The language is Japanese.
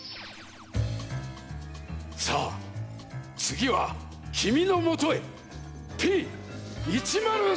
さあつぎはきみのもとへＰ１０３！